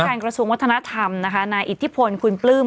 กระทรวงวัฒนธรรมนะคะนายอิทธิพลคุณปลื้ม